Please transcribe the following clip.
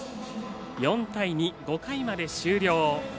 ４対２、５回まで終了。